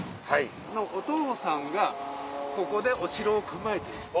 そのお父さんがここでお城を構えていた。